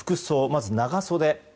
まず長袖。